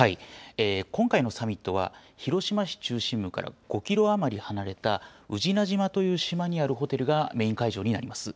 今回のサミットは広島市中心部から５キロ余り離れた宇品島という島にあるホテルがメイン会場になります。